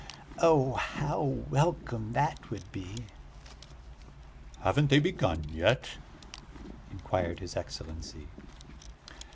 "Oh, how welcome that would be!" "Haven't they begun yet?" inquired his Excellency.